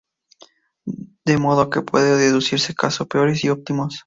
De modo que puede deducirse caso peores y óptimos.